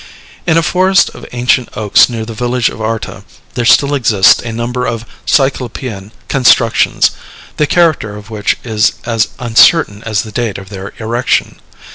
In a forest of ancient oaks near the village of Arta, there still exists a number of Cyclopean constructions, the character of which is as uncertain as the date of their erection.